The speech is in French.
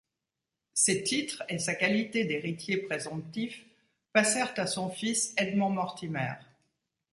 Ses titres et sa qualité d'héritier présomptif passèrent à son fils Edmond Mortimer.